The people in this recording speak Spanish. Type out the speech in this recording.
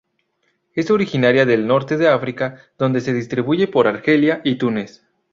Es originaria del norte de África, donde se distribuye por Argelia y Túnez.